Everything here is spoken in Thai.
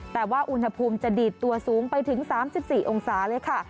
แต่ว่าอุณหภูมิจะดีดตัวสูงไปถึง๓๔องศาเลยค่ะ